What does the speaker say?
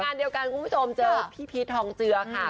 งานเดียวกันคุณผู้ชมเจอพี่พีชทองเจือค่ะ